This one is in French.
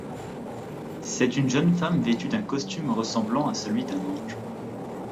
C'est une jeune femme vêtue d'un costume ressemblant à celui d'un ange.